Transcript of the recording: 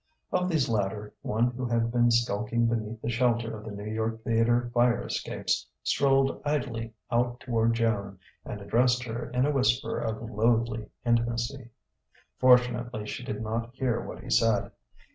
Of these latter, one who had been skulking beneath the shelter of the New York Theatre fire escapes strolled idly out toward Joan and addressed her in a whisper of loathly intimacy. Fortunately she did not hear what he said.